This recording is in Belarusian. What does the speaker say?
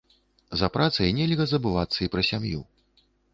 За працай нельга забывацца і пра сям'ю.